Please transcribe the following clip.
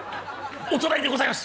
お隣でございます！」。